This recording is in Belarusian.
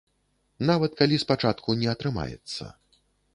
Нават калі спачатку не атрымаецца.